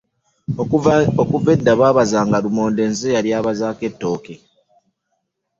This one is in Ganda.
Okuva edda babazanga Lumonde nze nail mbazaako etooke .